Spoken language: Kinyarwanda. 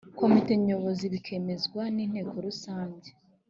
komite nyobozibikemezwa n inteko rusange